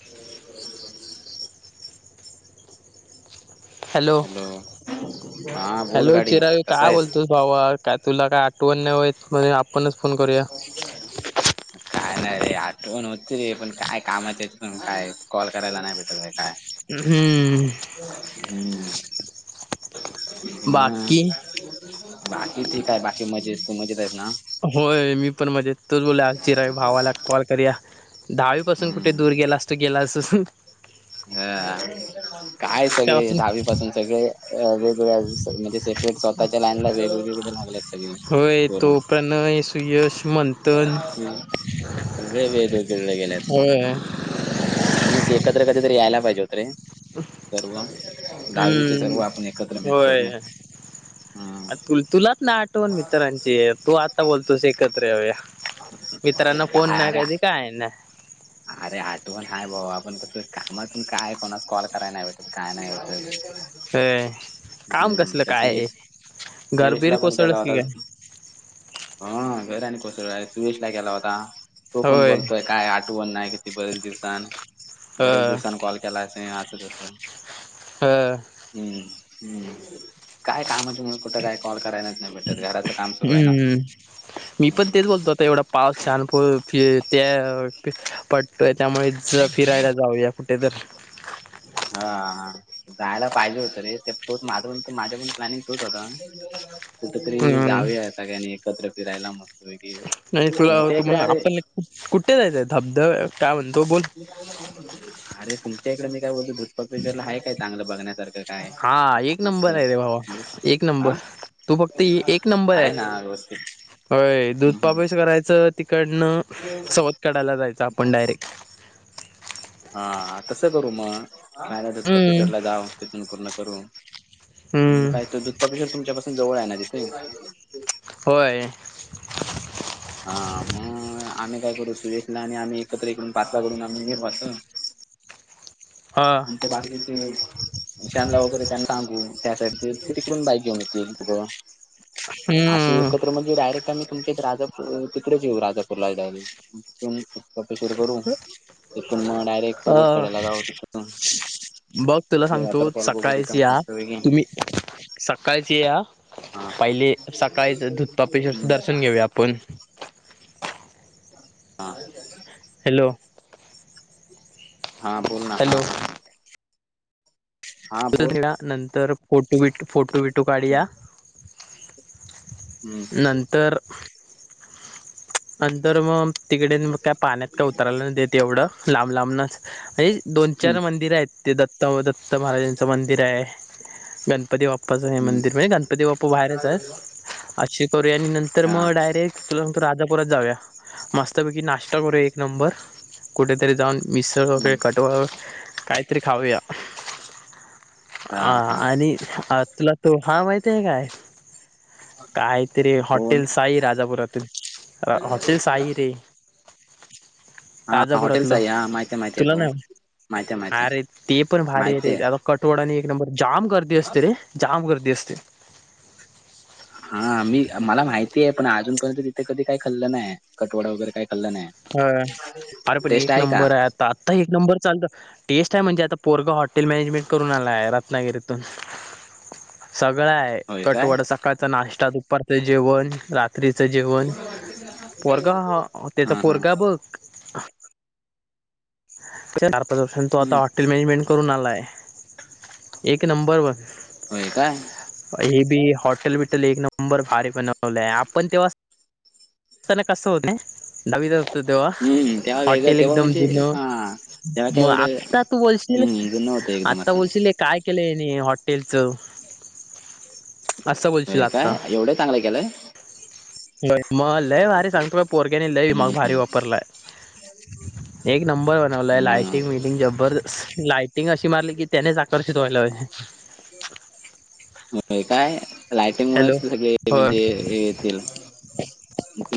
[inaudible] Hello हा बोल गाडी कसा आहेस? बाबा काय तुला काय आठवण नाही होेत, म्हणलं आपणच फोन करूया. [inaudible] काय नाही रे, आठवण होती रे, पण काय काम आहे त्याच्यातून काय कॉल करायला नाही भेटत आहे काय हम्म. हम्म बाकी मग? बाकी ठीक आहे, बाकी मजेत तू मजेत आहेस ना? होय मी पण मजेत तोच बोलला, आज चिराई भावाला कॉल करुया. दहावीपासून कुठे हम्म दूर गेलास तू गेलासच ह. हा काय सगळे त्यापासून दहावी पासून सगळे अ वेगवेगळ्या म्हणजे सेपरेट स्वताच्या लाईनला वेगवेगळीकड लागलेत. सगळे होय तो, पोरं प्रणय सुयश मंथन. सर्व वेगवेगळीकड गेल्यात. होय. म्हणून एकत्र कधीतरी यायला पाहिजे होत रे, सर्व. दहावीचे सर्व हम्म आपण एकत्र मित्र रे, हम्म. तुल तुलाच ना आठवण मित्रांची तू आता बोलतोस एकत्र येऊया मित्रांना फोन काय नाही अरे कधी काय नई. अरे आठवण हाय भावा, पण तसं कामातून काय कोणास कॉल कराय नाही भेट काय नाही भेटत. होय काम हम्म कसलं त्या काय? सुयश घर बीर सुयशला पण केला कोसळलस होता की काय? हा घर आणि कोसळ सुरेशला केला होता, तो पण होय बोलतोय काय आ कोण नाही किती बरच दिवसान. ह बरेच दिवसांनी कॉल केला असंं तस, ह हम्म. हम्म काय कामच्यामुळे कुठं काय कॉल करायलाच नाही भेटत, घराचं काम सुरू आहे ना. हम्म मी पण हम्म तेच बोलतो आता एवढा पाऊस प फ छान त्या प त्यामुळे ज फिरायला जाऊया कुठे तर. हा हा, जायला पाहिजे होतं रे ते तोच माझं पण माझ्या पण प्लॅनिंग तोच होता. कुठ तरी हम्म जाऊया सगळ्यांनी एकत्र फिरायला मस्तपैकी, नाही तुला तुमच्या इकडं तुम्हाला अरे. आपण कुठे जायचंय धबधब काय म्हणतो बोल. अरे तुमच्या इकडे मी काय बोलतो धुधपापेश्वरला आहे काय चांगलं बघण्यासारखं? काय? हां. एक मस्त नंबर आहे रे, भावा एक हा नंबर. तू फक्त ह एक नंबर आहे. ना व्यवस्थित होय हम्म हम्म धुधपापेश करायचं तिकडनं, सवतकड्याला जायचं आपण डायरेक्ट. हा तसं करू मग का हम्म पप्पेश्वरला जाव तिथून पूर्ण करू. आणि मग हम्म काय त दुधपापेशवर तुमच्या पाासून जवळ आहे ना तिथे? होय. हा मग आम्ही काय करू सुयशला आणि आम्ही एकत्रकडून पाचकडून आम्ही निरवाचो. हा. ते बाहेर घेते. शानला वगैरे त्यांना सांगू त्यासाठी तिकडून बाईक घेऊन येतील तुकं अशी हम्म एकत्र म्हणजे डायरेक्ट आम्ही. तुमच्या राजापूर तिकडेच येऊ राजापूरला डायरेक्ट. सपे सुरू करू तथून मग डायरेक्ट सवत अ काढयला जावा तिथ. बघ तुला सांगतो, वॉटरफॉल बघू सकाळीच तिथं या मस्त पैकी तुम्ही सकाळच ये या, हा पहिले सकाळीच धुधपापेश्वरचं दर्शन घेऊया आपण. हा. हॅलो. हा बोल ना हॅलो हा. हा बोल त नंतर फोटो बिटो फोटू बिटो काढुया. हम्म नंतर नंतर मग तिकडे मग काय पाण्यात काय उतरायला नाही देत एवढं, लांब लांबनच. हेच दोन हम्म चार मंदिर आहेत. दत्त दत्त महाराजांचं मंदिर आहे, गणपती बाप्प बाप्पाचं हे हम्म मंदिर म्हणजे गणपती बाप्पा बाहेरच आहेत, असशी करू आणि नंतर हा मग डायरेक्ट तुला सांगतो राजापुरात जाऊया, मस्तपैकी नाश्ता करू एक नंबर, कुठेतरी जाऊन. मिसळ वगैरे हम्म कटवर काहीतरी खाऊया. हा आणि तुला तो हा माहती आहे काय? कायतरीे कोण हॉटेल्स साई, राजापुरातून हॉटेल साई रे. हा हॉटेलचा ताजापुरातलं आहे हा माहिती माहिती आहे तुला तो ना. माहिती माहिती अरे ते पण भारी आहे रे, हे बघ कठवड आणि एक नंबर जाम गर्दी असते रे, जाम गर्दी असते. हा मी मला माहितीय आहे, पण अजूनपर्यंत तिथे कधी काही खल्लं नाहीय कटवडा वगैरे काय ह अरे पण एक नंबर आहे आता, आता एक नंबर चालत. टेस्ट आहे म्हणजे आता पोरगा हॉटेल मॅनेजमेंट करून आलाय, रत्नागिरीतून. सगळं आहे, होय काय कटवड सकाळचा नाश्ता दुपारचं जेवण रात ट्रीचं जेवण पोरगा हा त्याचा पोरगा बघ. चार पाच वर्षांन तू आता हम्म हॉट हॉटेल मॅनेजमेंट करून आलाय, एक नंबरवरन. होय काय? हे बी हॉटेल बिटल एक नंबर भारी बनवले आहे आपण तेव्हा ना कसं होत डावी दत तेव्हा हम्म तेव्हा वेगळं हॉटेल तेव्हा एकदम म्हणजे जुनं. हा तेव्हा काय मग एवढं आत्ता तू बोलशील हम्म जुनं होतं एकदम आत्ता असं बोलशील काय केलंने हॉटेलच असं बोलशील आता. एवढे चांगले केलंय? होय मग लयभारी सांगतो भाई, पोरक्याने लई मग हम्म भारी वापरलाय. एक नंबर बनवलाय मग लाटिंग बिटिंग जबरदस्त लायटिंग अशी मारली की त्यानेच आकर्षित व्हायला. काय लायटिंग हॅलो मुळेच सगळे होय म्हणजे येतील.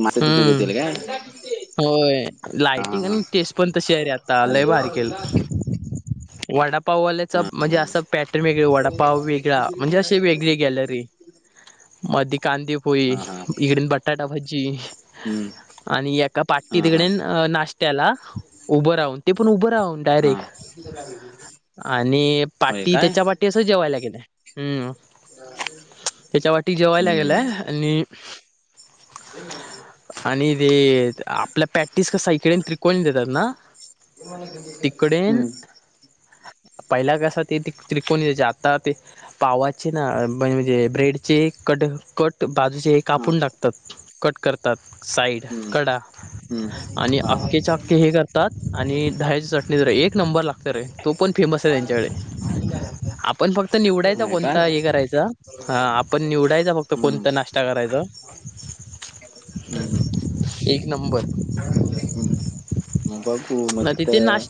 मासा तिथे हम्म जेवतील काय? होय हा लायटिंग आणि हा टेस् पण तशी आहे रे आता. लय भारी केेलो. वडाप पाववाल्याचा हा म्हणजे हा असं पॅटर्न वेग वडापाव वेगळा म्हणजे अशी वेगळी गॅलरी. मधी कान देऊ पोई हा हा हा इकडेन बटाटा भजी हम्म आणि एका पाट्टी हा हा तिकडेन अ नाश् त्याला उभं राहून, ते पण उभं राहून हा डायरेक्ट आणि होय पाटी काय त्याच्या पाटी [unintelligible] जेवायला गेलंय. हम्म. [unintelligible] त्याच्या वाटी जेवायला हम्म गेलाय, आणि [unintelligible] आणि ते आपल्या पॅक्टिस कसा इकडे त्रिकोणी देतात ना. [unintelligible] तिकडेन हम्म. पहिला कसा ते त्रिकोणी दयाचे आता ते पावाचे ना म्हणजे ना ब्रेड. ते कटीग कट बाजूचे हे हा कापून टाकतात कट करतात. करतात साईड हम्म कडा हम्म आणि हा हा अखकेच्या अक्के हे करतात आणि दहायची चटणी बरोबर एक नंबर लागत. तरे तू पण फेमस आहे त्यांच्याकडे आपण फक्त निवडायचा होय काय कोणता हे करायच. हा आपण निवडायच फक्त हम्म कोणता नाश्ता करायचा. हम्म एक नंबर. [unintelligible] हम्म बघू न मग तीथ. तिथे नाश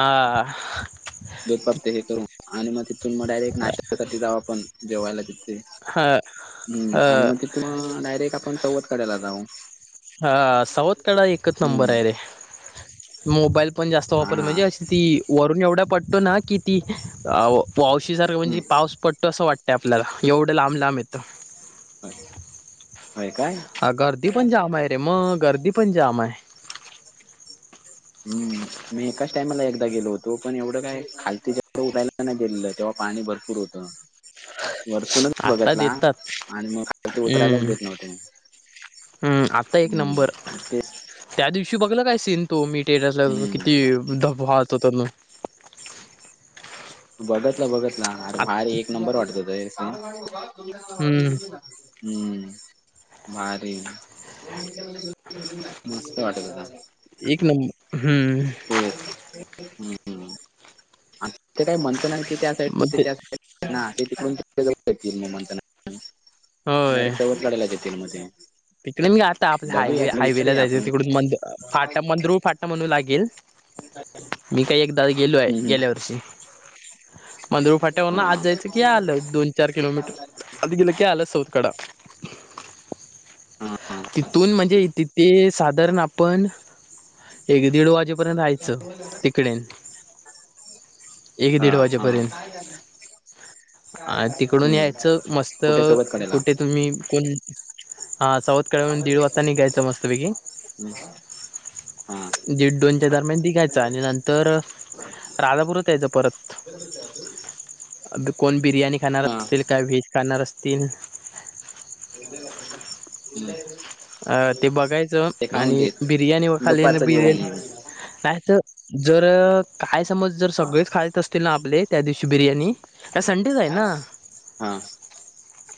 हाआ. दूध पाक ते हे करून आणि मग तिथून मग डायरेक्ट नाश्यासाठी जावा आपण जेवायला तिथ. ह हम्म आणि ह मग तिथुन अ डायरेक्ट आपण पावळट काडायाला जाऊ. हा सावध काडायला एकच नंबर हम्म आहे रे मोबाल पण जास्त हा वापरतो म्हणजे अशी ती वरून एवढा पडतो ना. किती वावशीसारखं हम्म म्हणजे पाऊस पडतो असं वाटतं आपल्याला एवढं लांब लांब येतं. होय होय काय? ते मग गर्दी पण जाम आहे. हम् मी एकाच टामाला एकदा गेलो होतो पण एवढं काय खालती वर. नाही गेलेलं तेव्हा पाणी भरपूर होतं. वरतूनच आता बघतला देतात आणि मग ते उतरायलाच हम्म देत नव्हते. हम्म आता एक हम्म नंबर. तेच त्या दिवशी बघला काय सीन तो मी टेराला किती हम्म वीदा पाहत होते मी. बघतला बघतला अरे आ भारी एक नंबर वाटत होता. आणि हम्म [unintelligible] हम्म भारी मस्त वाटत होता. [unintelligible] एक नंब हम्म. तेच आ ते काय म्हणता ना की त्या साईड मग ते त्या नाय ते तिकडून [unintelligible] म्हणताना होय डायरेक्ट चवत काढायला घे ते मध्ये तिकडे मी आता आपल्या हायवे हायवे ला जायचं आपण तिकडून मंदरु फाटा मंदरू फाटा म्हणू लागेल. मी काय एकदा गेलो आहे हम्म, गेल्या वर्षी. मंदुर हम्म. फाट्यावर न हा आत जायचं की आलं दोन चार किलोमीटर आध गेलं की आलं सौथकडा. हा तिथून म्हणजे तिथे साधारण आपण एक दीड वाजे पर्यंत राहायचं तिकडे. एक हा दीड हा. वाजेपर्यंत अ तिकडून हम्म यायचं मस्त कुठे सोबत कडेला. कुठे तुम्ही कोण हा साऊथकड्या वरून दीड वाजता नीघ्यायचं मस्तपैकी. हम्म. हा दीड दोनच्या दरम्यान दिघायच आणि नंतर राधापुरात यायचं परत. अ बीप. कोण बिर्याणी खाणार हा असतील, काही व्हेज खाणार असतील. [inaudible] हम्म. अ ते बघायचं ते खाऊन आणि देत बिर्याणी व खालीन दुपारचं जेवण बिर्याणी म्हणून नाहीच. जर काय समज जर सगळेच खायत अस ते ना आपले त्या दिवशी बिर्याणी अ संडेच आहे ना. हा.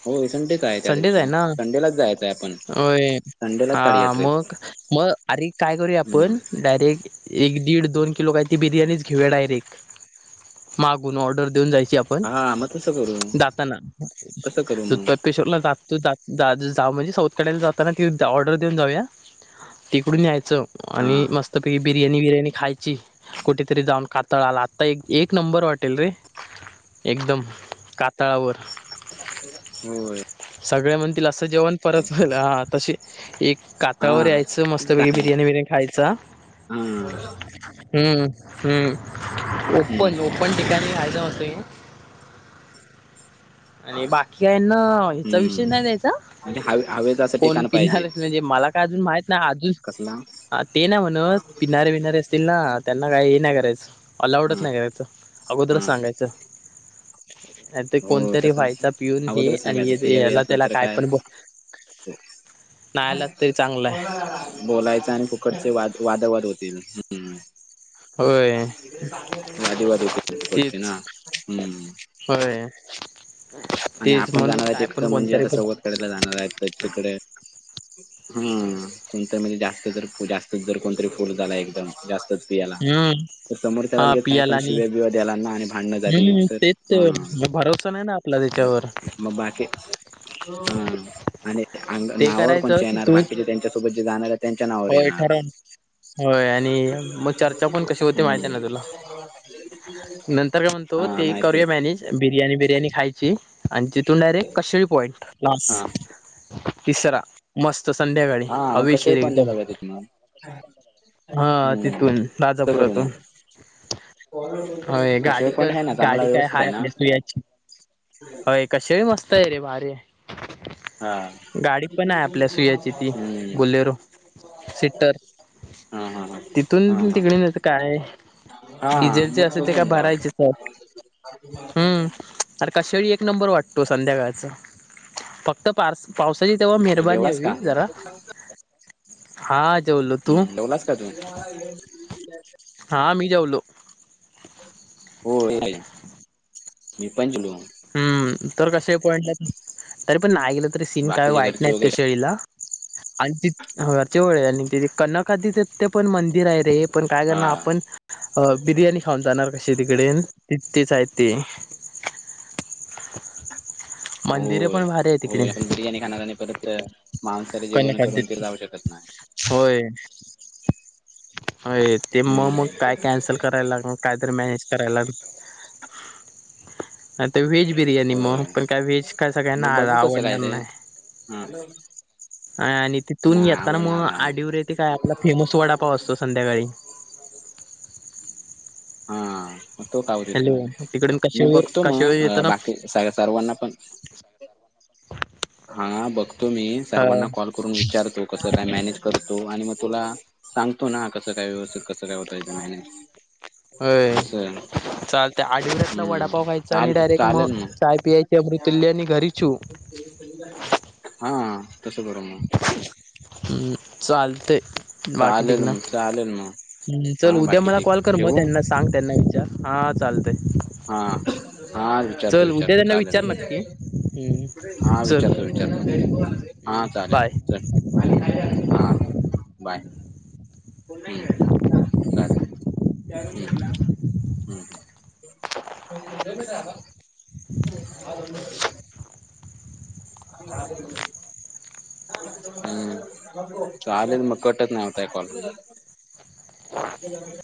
हो संडेच त्या संडेच आहे दिवशी ना? संडेलाच जायचं आहे आपण होय, संडेलाच काढूया हा ट्रिप मग मग अरे काय करूया हम्म. आपण, डायरेक्ट एक दीड दोन किलो काही ती बिर्याणीच घेऊया डायरेक्ट. मागून ऑर्डर देऊन जायची, आपण हा मग तसं करू जाताना. तसं करू मग दुतर. पेशोकला जातो जा म्हणजे साऊथ कड्याला जाताना ती ऑर्डर देऊन जाऊ या. तिकडून यायचं हा आणि मस्त पैकी बी बिर्याणी गीर्याणी खायची, कुठेतरी जाऊन कातळा आला आता एक एक नंबर वाटेल रे. एकदम का तळावर. होय. सगळे म्हणतील असं जेवण परत होईल, हा तसे एक. कातळावर हा यायचं मस्त पैकी ताने बिर्याणी हा बिर्याणी खायचा, हम्म. हम्म हम्म ओपन ओपन ठिकाणी खायच मस्तपैकी आणि बाकी हाय ना, ह्याचा हम्म विषय नाही द्यायचा. म्हणजे हवे हवेच असं कोण ठिकाण पाहिजे पिणारच म्हणजे मला काय अजून, माहित ना अजून कसला ते ना म्हण पिणारे पिणारे असतील ना त्यांना काही हे नाही करायच, अलाऊडच हा नाही करायच. अगोदर हा सांगायचं, नाहीतरी हो कोणतरी तसं व्हायचा पिऊन. हे अगोदरच आणि सांगायचं पिया बिया याला असलं त्याला तर काय पण बो ना लागतंय, चांगलंय बोलायच आणि फुकटचे वाद, वादवाद होतील मग हम्म. होय वादी वाद होतोली फुकटचे तेच ना, हम्म. होय तेच म्हणून काय पण कोणतरी पण कडेला जाणार आहेत तर तिकड. हम्म, कोणत म्हणजे जास्त जर जास्त जर कोणतरी फुल झाला एकदम जास्त. हम्म तर समोर त्याला हा लगे काय पण पियाला आणि शिव्या बिव्या द्यालाना आणि भांडणं झाली हम्म तर तेच हा. तर भरोसा नाही ना आपला त्याच्यावर मग बाकी. हा आणि अंग ते नावावर करायचं कोणच्या येणार? तिथून बाकीचे त्यांच्यासोबत जे जाणार आहेत. त्यांच्या नावावर होय येणार. ठरवून होय आणि मग चर्चा पण कशी होते माहिती आहे ना तुला हम्म. तो हा ते माहितीय करूया मॅनेज. बिर्याणी बिर्याणी खायची आणि तिथून डायरेक्ट कशेळी पॉइंट हा लास्ट. तिसरा मस्त संध्याकाळी हा मग कशा हवेशीर पॉईंटला एकदम. जाऊया तिथनं. हा हम्म तिथून तसं करू राजापुरातून मग होय कशे गाडी पॉईंट कर, आहे ना चांगला गाडी काय व्यवस्थित हाय आहे ना आपल्या सूयाची होय. ए कशेरी मस्त आहे रे, भारी हा हाय. गाडी पण आहे आपल्या सुयाची ती हम्म बुल्हेरो. सिटर हा हा हा हा तिथून हा तिकडे नई तर काय हा डिझेलचे मग असेल तो ते काय घेऊन जा भरायचेच आहेत. [unintelligible] अरं काशारी एक नंबर वाटतो. संध्याकाळचा फक्त पार्स पावसाची तेव्हा मग मेहरबानी जेवलास हवी का जरा. हा जेवलो, तू? हम्म जेवलास का तू हा मी जेवलो. [unintelligible] मी पण जेवलो. हम्म तर कशे पॉईंट ला [inaudible] तरी पण नाही गेलं तरी सीन काय बाकीचे वाईट घरचे नाहीत त्या वगैरे शेळीला. आणि ति हा वरचे वळ आहे आणि तिथे कानखादी ते पण मंदिर आहे रे. पण काय हा करणार आपण अ बिर्याणी खाऊन जाणार कशी तिकडेन ती तेच आहेत ते. मंदिरे होय. पण भारी आहे तिकडे होय. आणि जरी [unintelligible] खाणार आणि परत. मांसाहारी जेवण करून कनकाधित तिला औषध देत नाही. होय वय ते म म हम्म काय कॅन्सल करायला लागणार? काहीतरी मॅनेज करायला आणि ते व्हेज बिर्याणी म होय पण वेज काय सगळ्यांना आय आवडणार नाय. हम्म. आणि तिथून येताना मग नाही आडीवर येथे काय आपला फेमस वडापाव असतो संध्याकाळी हा तो खाऊ तिथे म हॅलो तिकडून मी कशावर बघतो म कशावर अ येताना बाकी सर सर्वांना पण हा बघतो मी अ सर्वांना कॉल करून विचारतो. कसं? काय? मॅनेज करतो. आणि मगतुला सांगतो ना कसं? काय? व्यवस्थित कसं? काय? होत याचं मॅनेज. होय असं आहे. [inaudible] चालतंय आडीवरतला वडापाव खायचा आणि चाल म डायरेक् चालेल मग चाय पियाची अमृतुलल्यानी आणि घरी छू. हा. तसं करू मग. उम्म चालते. बाकी ठीक चालेल ना. मग चालेल मग चल हा उद्या बाकी मला ठीक कॉल कर. मग ठेवू त्यांना सांग, त्यांना विचार. [inaudible] हा. चालतंय. हा [inaudible] हा विचारतो चल उद्या विचारतो त्यांना विचार चालेल नक्की हम्म हा चल विचारतो विचारतो. हा हम्म. चालेल चल बाय. हा बाय. चालेलं. हंम. हम्म हम्म. [unintelligible] [unintelligible] हम्म. चालेल. मग, कटत नाही. हा कॉल. [unintelligible]